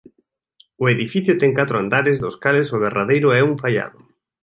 O edificio ten catro andares dos cales o derradeiro é un faiado.